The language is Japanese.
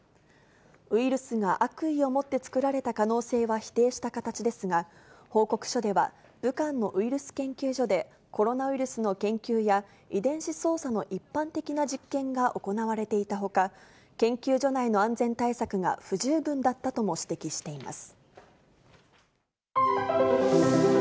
ウイルスが悪意を持って作られた可能性は否定した形ですが、報告書では、武漢のウイルス研究所で、コロナウイルスの研究や、遺伝子操作の一般的な実験が行われていたほか、研究所内の安全対策が不十分だったとも指摘しています。